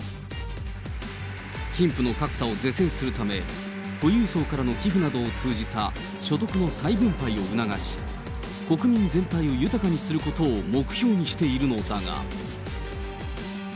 貧富の格差を是正するため、富裕層からの寄付などを通じた所得の再分配を促し、国民全体を豊かにすることを目標にしているのだが。